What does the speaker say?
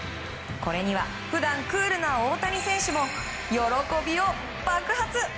これには普段クールな大谷選手も喜びを爆発！